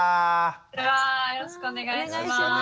よろしくお願いします。